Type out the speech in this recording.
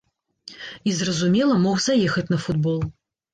І, зразумела, мог заехаць на футбол.